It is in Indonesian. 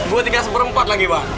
gua tinggal seperempat lagi bang